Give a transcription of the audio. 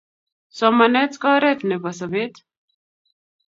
Somanet ko oret nebo sobet